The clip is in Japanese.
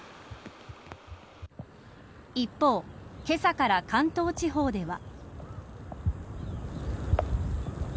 一方、けさから関東地方では。